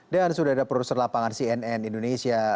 dan sudah ada perusahaan lapangan cnn indonesia